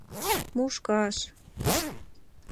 Мушкаш!